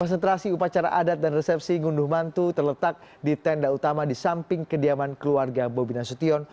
konsentrasi upacara adat dan resepsi ngunduh mantu terletak di tenda utama di samping kediaman keluarga bobi nasution